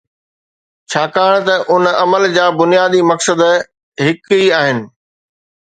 ڇاڪاڻ ته ان عمل جا بنيادي مقصد هڪ ئي آهن.